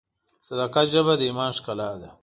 د صداقت ژبه د ایمان ښکلا ده.